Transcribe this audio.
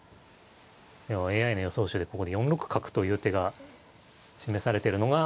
ＡＩの予想手でここで４六角という手が示されてるのが。